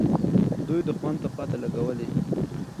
دوی دښمن ته پته لګولې.